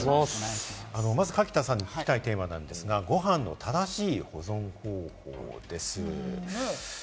まず垣田さんに聞きたいテーマなんですが、ご飯の正しい保存方法です。